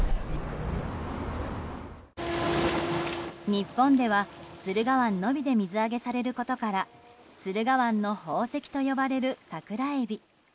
日本では駿河湾のみで水揚げされることから駿河湾の宝石と呼ばれる桜エビ。